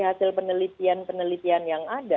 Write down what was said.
hasil penelitian penelitian yang ada